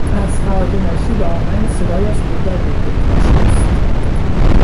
از فراز و نشیب آهنگ صدایش پیدا بود که کاشی است.